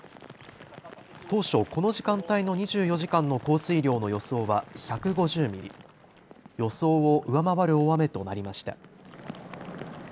当初、この時間帯の２４時間の降水量の予想は１５０ミリ、予想を上回る大雨となりました。